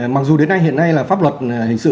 mặc dù đến nay hiện nay là pháp luật hình sự